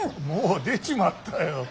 もう出ちまったよ。